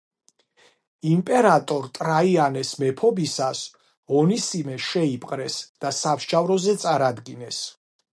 იმპერატორ ტრაიანეს მეფობისას ონისიმე შეიპყრეს და სამსჯავროზე წარადგინეს.